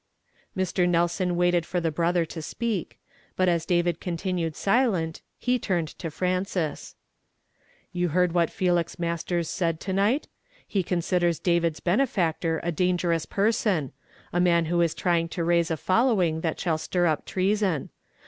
" Mr. Nelson waited for the brother to sj)eak; but as David continued silent, he turned to Frances. "You lieard what Felix Masters said to night? lie considers David's benefactor a dangerous per son ; a man who is trying to raise a following that shall stir up treason.